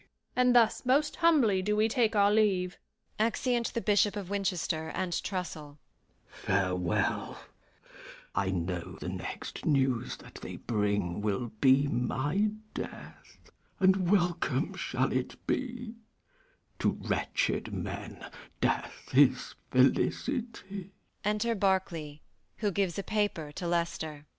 Trus. And thus, most humbly do we take our leave. K. Edw. Farewell. [Exeunt the Bishop of Winchester and Trussel with the crown. I know the next news that they bring Will be my death; and welcome shall it be: To wretched men death is felicity.